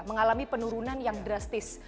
mengalami penurunan yang drastis